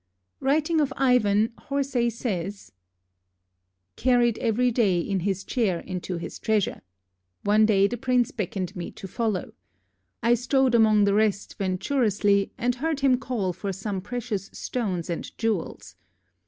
Writing of Ivan, Horsey says: Carried every daye in his chair into his treasure. One daye the prince beckoned me to follow. I strode emonge the rest venturously, and heard him call for som precious stones and jewells.